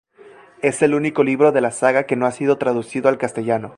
Es el único libro de la saga que no ha sido traducido al castellano.